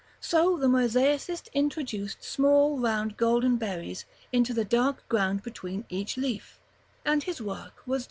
So the mosaicist introduced small round golden berries into the dark ground between each leaf, and his work was done.